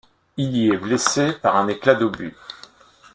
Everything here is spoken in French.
Il y est blessé par un éclat d'obus.